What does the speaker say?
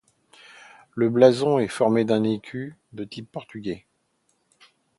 Le blason est formé d'un écu de type portugais.